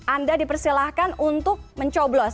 anda dipersilahkan untuk mencoblos